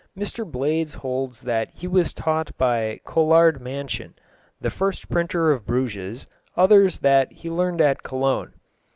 Mr Blades holds that he was taught by Colard Mansion, the first printer of Bruges, others that he learned at Cologne.